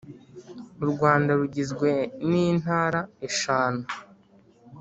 Urwanda rugizwe nintara eshanu